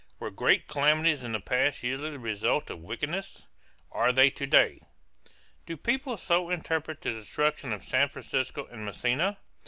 Were great calamities in the past usually the result of wickedness? Are they to day? Do people so interpret the destruction of San Francisco and Messina?